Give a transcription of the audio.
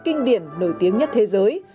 kinh điển nổi tiếng nhất thế giới